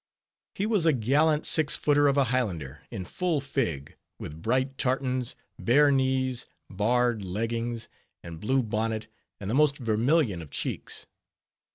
He was a gallant six footer of a Highlander "in full fig," with bright tartans, bare knees, barred leggings, and blue bonnet and the most vermilion of cheeks.